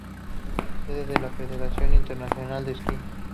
Sede de la Federación Internacional de Esquí.